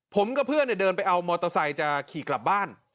ผมกับเพื่อนเดินไปเอามอเตอร์ไซค์จะขี่กลับบ้าน